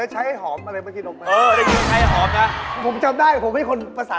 โอเคเพราะแล้วมีอะไรก็ไปทำไป